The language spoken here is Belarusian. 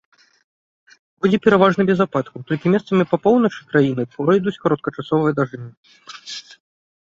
Будзе пераважна без ападкаў, толькі месцамі па поўначы краіны пройдуць кароткачасовыя дажджы.